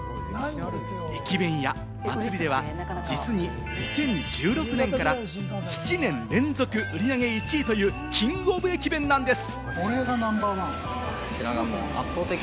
「駅弁屋祭」では、実に２０１６年から７年連続売り上げ１位というキング・オブ・駅弁なんです。